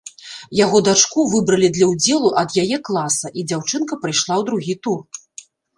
Яго дачку выбралі для ўдзелу ад яе класа, і дзяўчынка прайшла ў другі тур.